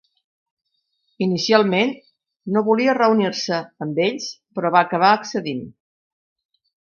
Inicialment, no volia reunir-se amb ells però va acabar accedint.